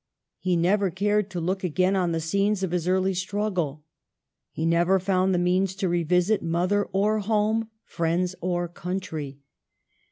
He never cared to look again on the scenes of his early struggle. He never found the means to revisit mother or home, friends or country.